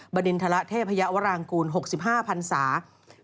บรรดินทะละเทพยาวรางกูล๖๕ผัญศาสตร์